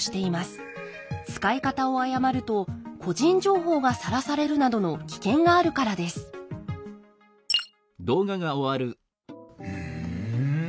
使い方を誤ると個人情報がさらされるなどの危険があるからですふん。